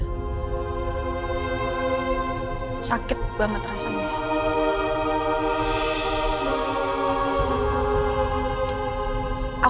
nih aku juga gak bisa ngerasain aja ya